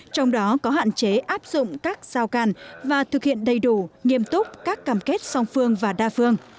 trong đó có hạn chế áp dụng các giao càn và thực hiện đầy đủ nghiêm túc các cam kết song phương và đa phương